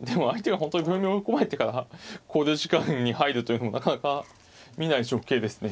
でも相手が本当に秒読み追い込まれてから考慮時間に入るというのもなかなか見ない情景ですね。